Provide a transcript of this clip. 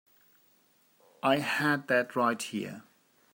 I had that right here.